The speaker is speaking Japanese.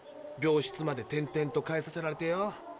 病室まで転々とかえさせられてよ。